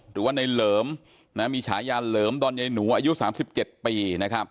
หรือว่าในเหลิมมีฉายาเหลิมดอนใยหนูอายุ๓๗ปี